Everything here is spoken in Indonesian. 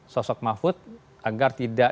sosok mahfud agar tidak